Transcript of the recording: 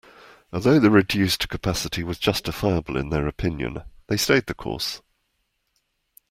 Although the reduced capacity was justifiable in their opinion, they stayed the course.